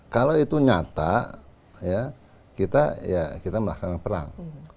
kalau itu nyata ya kita melaksanakan perang